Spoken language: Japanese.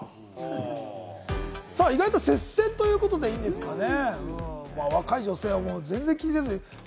意外と接戦ということでいいんですかね？